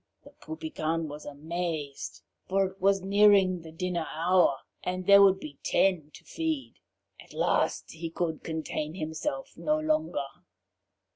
The Poupican was amazed, for it was nearing the dinner hour, and there would be ten to feed. At last he could contain himself no longer.